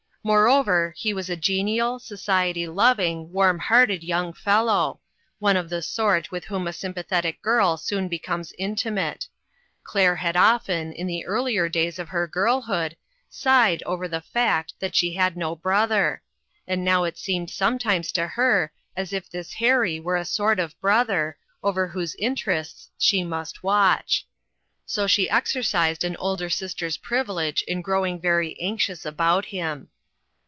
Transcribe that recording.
Moreover, he was a genial, society loving, warm hearted young fellow ; one of the sort with whom a sympathetic girl soon becomes intimate. Claire had often, in the earlier days of her girlhood, sighed over the 318 ONE OF THE VICTIMS. 319 fact that she had no brother; and now it seemed sometimes to her as if this Harry were a sort of brother, over whose interests she must watch. So she exercised an older sister's privilege in growing very anxious about him.